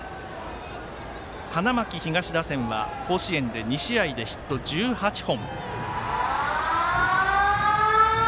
花巻東打線は甲子園で２試合でヒット１８本。